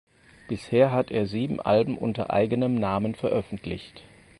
Bisher hat er sieben Alben unter eigenem Namen veröffentlicht.